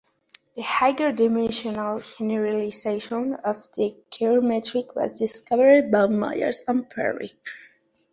The higher-dimensional generalization of the Kerr metric was discovered by Myers and Perry.